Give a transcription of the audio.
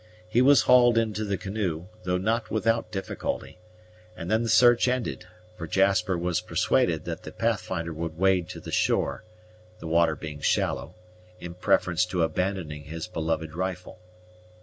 He was hauled into the canoe, though not without difficulty, and then the search ended; for Jasper was persuaded that the Pathfinder would wade to the shore, the water being shallow, in preference to abandoning his beloved rifle.